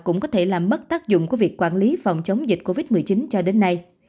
cũng có thể làm mất tác dụng của việc quản lý phòng chống dịch covid một mươi chín cho đến nay